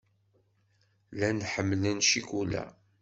Llan ḥemmlen ccikula.